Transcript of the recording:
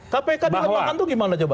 kpk dilemahkan itu gimana coba